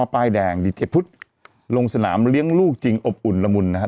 ป้ายแดงดิเจพุทธลงสนามเลี้ยงลูกจริงอบอุ่นละมุนนะครับ